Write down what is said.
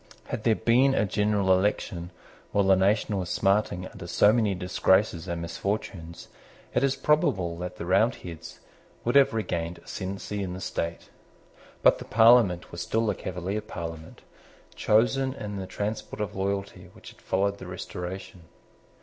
Had there been a general election while the nation was smarting under so many disgraces and misfortunes, it is probable that the Roundheads would have regained ascendency in the state. But the Parliament was still the Cavalier Parliament, chosen in the transport of loyalty which had followed the Restoration.